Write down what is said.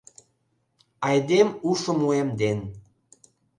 Айдем ушым уэмден.